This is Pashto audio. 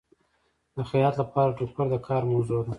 د خیاط لپاره ټوکر د کار موضوع ده.